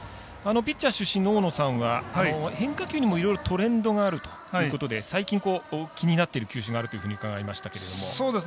ピッチャー出身の大野さんは変化球にもいろいろトレンドがあるということで最近気になっている球種があると伺いましたが。